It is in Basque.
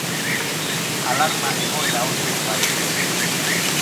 Alarma egoera honi ere bai.